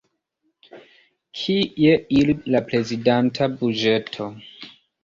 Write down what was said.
Kie iris la prezidanta buĝeto?